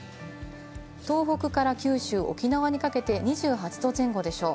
東北から九州、沖縄にかけて２８度前後でしょう。